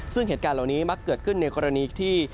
ซึ่งเหตุการณ์เหล่านี้มักเกิดขึ้นในกรณีที่